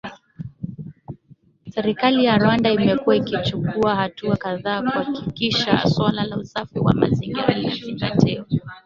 Serikali ya Rwanda imekuwa ikichukua hatua kadhaa kuhakikisha suala la usafi wa mazingira linazingatiwa